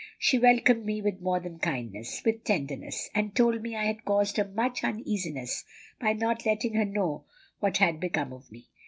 She welcomed me with more than kindness, with tenderness, and told me I had caused her much uneasiness by not letting her know what had become of me.